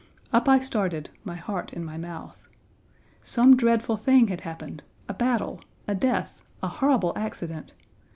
Up I started, my heart in my mouth. Some dreadful thing had happened, a battle, a death, a horrible accident.